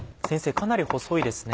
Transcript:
かなり細いですね。